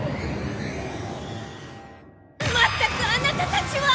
まったくアナタたちは！